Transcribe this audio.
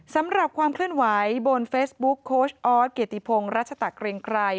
ความเคลื่อนไหวบนเฟซบุ๊กโค้ชออสเกียรติพงศ์รัชตะเกรงไกร